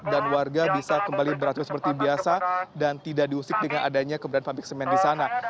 warga bisa kembali beraktiv seperti biasa dan tidak diusik dengan adanya keberadaan pabrik semen di sana